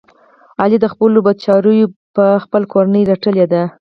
علی د خپلو بد چارو په جه خپلې کورنۍ رټلی دی.